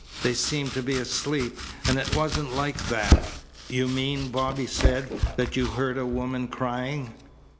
They seemed to be asleep. And it wasn't like that." "You mean," Bobby said, "that you heard a woman crying?"